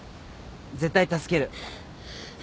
絶対助ける。